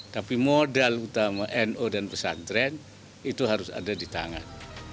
tapi modal utama nu dan pesantren itu harus ada di tangan